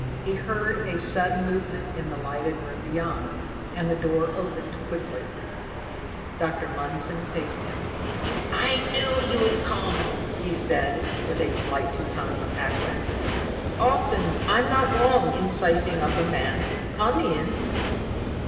He heard a sudden movement in the lighted room beyond, and the door opened quickly. Dr. Mundson faced him. "I knew you'd come!" he said with a slight Teutonic accent. "Often I'm not wrong in sizing up my man. Come in."